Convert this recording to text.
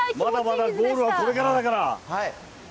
まだまだゴールはこれからだから。